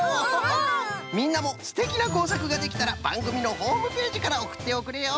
みんなもすてきなこうさくができたらばんぐみのホームページからおくっておくれよ！